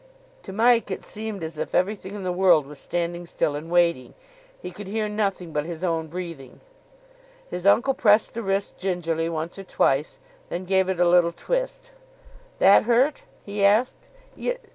To Mike it seemed as if everything in the world was standing still and waiting. He could hear nothing but his own breathing. His uncle pressed the wrist gingerly once or twice, then gave it a little twist. "That hurt?" he asked.